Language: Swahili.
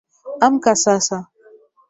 Amka sasa